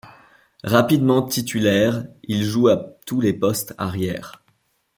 Rapidement titulaire, il joue à tous les postes arrières.